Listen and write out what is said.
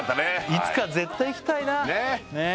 いつか絶対行きたいなねえ